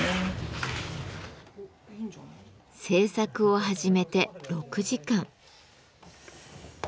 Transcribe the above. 制作を始めて６時間。